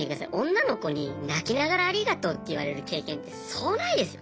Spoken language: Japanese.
女の子に泣きながらありがとうって言われる経験ってそうないですよ。